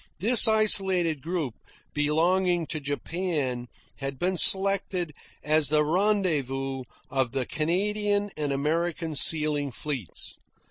This isolated group, belonging to Japan, had been selected as the rendezvous of the Canadian and American sealing fleets.